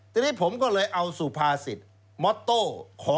ทีนี้ผมก็เลยเอาสุภาษิตมอโต้ขอ